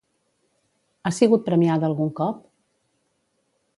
Ha sigut premiada algun cop?